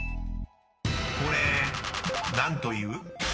［これ何という？］